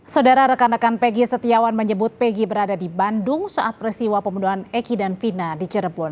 saudara rekan rekan peggy setiawan menyebut pegi berada di bandung saat peristiwa pembunuhan eki dan vina di cirebon